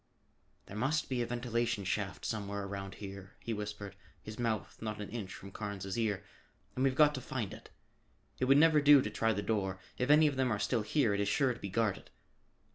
"There must be a ventilation shaft somewhere around here," he whispered, his mouth not an inch from Carnes' ear, "and we've got to find it. It would never do to try the door; if any of them are still here it is sure to be guarded.